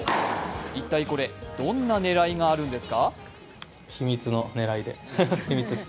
一体これどんな狙いがあるんですか？